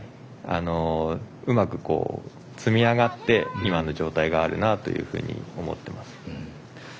うまく積み上がって今の状態があるなというふうに思っています。